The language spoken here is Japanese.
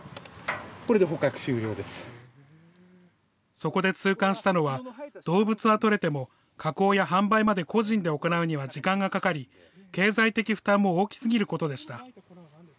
そこで痛感したのは、動物は取れても加工や販売まで個人で行うには時間がかかり、経済的負担も大きすぎることでした。